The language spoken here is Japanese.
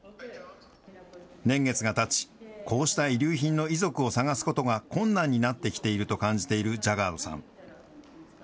年月がたち、こうした遺留品の遺族を探すことが困難になってきていると感じているジャガードさん。